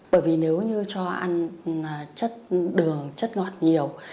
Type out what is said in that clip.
bởi vì nếu như cho ăn chất đường chất ngọt nhiều